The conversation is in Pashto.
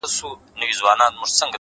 ته خو دا ټول کاينات خپله حافظه کي ساتې”